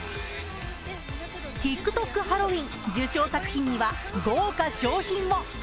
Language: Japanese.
「＃ＴｉｋＴｏｋハロウィーン」受賞作品には豪華賞品も。